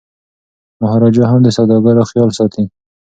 مهاراجا هم د سوداګرو خیال ساتي.